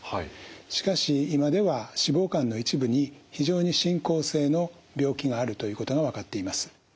しかし今では脂肪肝の一部に非常に進行性の病気があるということが分かっています。